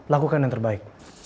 lakukan yang terbaik